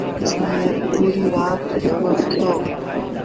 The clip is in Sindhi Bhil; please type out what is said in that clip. ائيٚݩ پوريٚ رآت ڀيڙو سُتو